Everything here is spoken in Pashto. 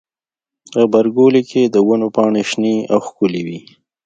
غبرګولی کې د ونو پاڼې شنې او ښکلي وي.